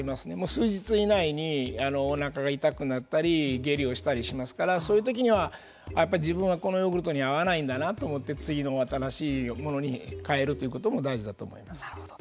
数日以内におなかが痛くなったり下痢をしたりしますからそういうときには自分はこのヨーグルトには合わないんだなと思って次の新しいものに変えるということも大事だとなるほど。